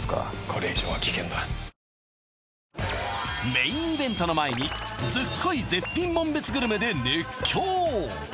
メインイベントの前にずっこい絶品紋別グルメで熱狂